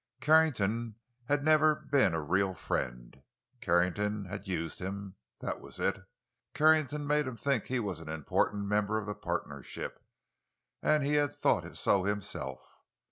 Carrington had never been a real friend. Carrington had used him—that was it; Carrington had made him think he was an important member of the partnership, and he had thought so himself.